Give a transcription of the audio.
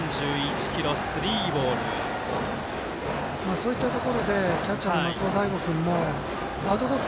そういったところでキャッチャーの松尾大悟君もアウトコース